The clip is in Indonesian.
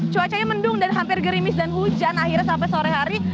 cuacanya mendung dan hampir gerimis dan hujan akhirnya sampai sore hari